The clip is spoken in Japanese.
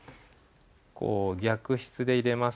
こう逆筆で入れます。